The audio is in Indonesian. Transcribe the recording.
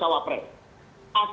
jadi kita harus mengingat